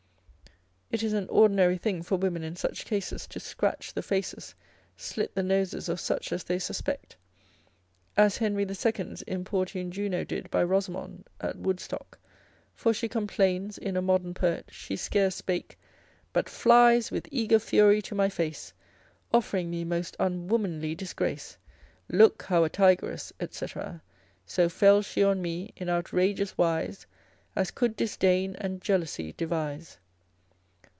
It is an ordinary thing for women in such cases to scratch the faces, slit the noses of such as they suspect; as Henry the Second's importune Juno did by Rosamond at Woodstock; for she complains in a modern poet, she scarce spake, But flies with eager fury to my face, Offering me most unwomanly disgrace. Look how a tigress, &c. So fell she on me in outrageous wise, As could disdain and jealousy devise.